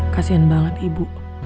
kasian banget ibu